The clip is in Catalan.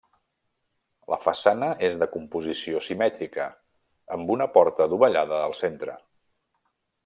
La façana és de composició simètrica, amb una porta dovellada al centre.